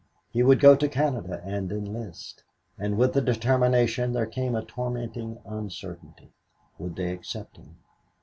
He would go to Canada and enlist. And with the determination there came a tormenting uncertainty. Would they accept him?